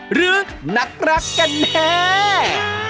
หรือนักรักกันแน่